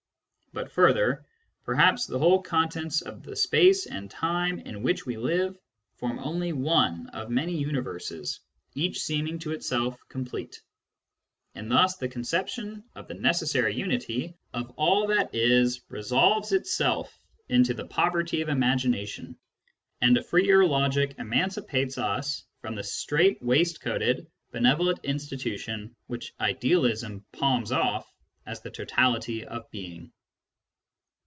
But further, perhaps the whole contents of the space and time in which we live form only one of many universes, each seeming to itself complete. And thus the conception of the necessary unity of all that is resolves itself into the poverty of imagination, and a freer logic emancipates us from the strait waistcoated benevolent institution which idealism palms ofF as the totality of being.